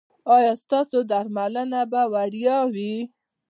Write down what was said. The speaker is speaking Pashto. ایا ستاسو درملنه به وړیا وي؟